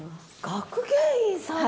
学芸員さんなの！？